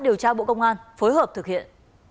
điều tra bộ công an phối hợp thực hiện